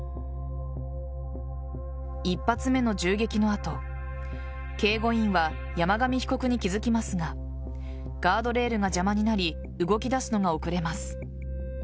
１発目の銃撃の後警護員は山上被告に気付きますがガードレールが邪魔になり動き出すのが遅れます。